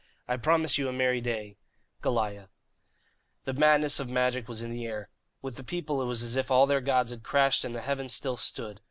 "I promise you a merry day, "GOLIAH." The madness of magic was in the air. With the people it was as if all their gods had crashed and the heavens still stood.